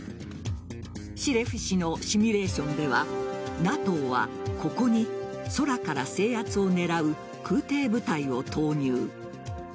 シレフ氏のシミュレーションではＮＡＴＯはここに空から制圧を狙う空挺部隊を投入。